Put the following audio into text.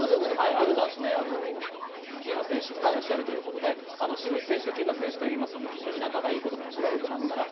男子、喜友名選手もいらっしゃるということで清水選手と喜友名選手と言いますと非常に仲がいいことでも知られています。